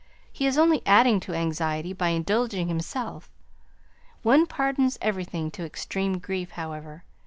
He is only adding to anxiety by indulging himself. One pardons everything to extreme grief, however.